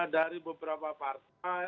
dari beberapa partai